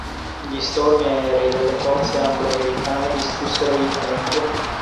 Gli stormi aerei delle forze anglo americane distrussero il tempio.